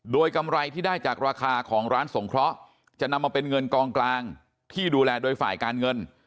โดยกำไรที่ได้จากราคาของร้านสงเคราะห์จะนำมาเป็นเงินกองกลางที่ดูแลโดยฝ่ายการเงิน